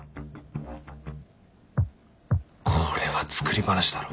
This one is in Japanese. これは作り話だろ。